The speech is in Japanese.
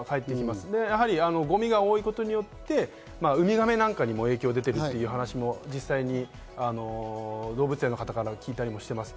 ゴミが多いことによってウミガメなんかにも影響が出てくる話も実際に動物園の方から聞いたりもします。